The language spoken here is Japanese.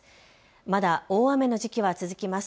まだ大雨の時期は続きます。